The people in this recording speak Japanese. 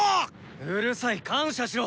うるさい感謝しろ！